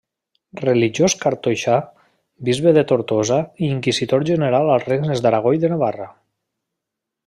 Religiós cartoixà, bisbe de Tortosa i inquisidor general als regnes d'Aragó i de Navarra.